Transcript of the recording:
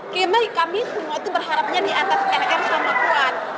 kami semua itu berharapnya di atas rr sama kuat